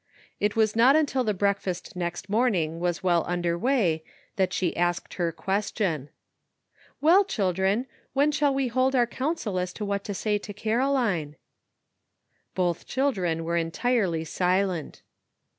It was not until the breakfast next morning was well under way that she asked her question : "Well, children, when shall we hold our council as to what to say to Caroline ?" Both children were entirely silent.